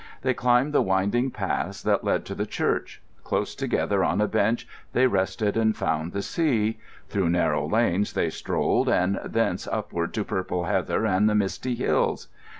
They climbed the winding paths that led to the church; close together on a bench they rested and found the sea; through narrow lanes they strolled, and thence upward to purple heather and the misty hills.